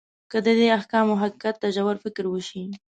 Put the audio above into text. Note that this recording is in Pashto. که د دې احکامو حقیقت ته ژور فکر وشي.